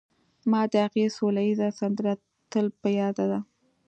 ما د هغې سوله ييزه سندره تل په ياد ده